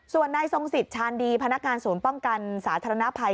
ส่วนนายทรงสิทธิชาญดีพนักงานศูนย์ป้องกันสาธารณภัย